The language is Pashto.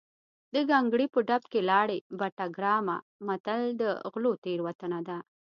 د ګانګړې په ډب کې لاړې بټه ګرامه متل د غلو تېروتنه ده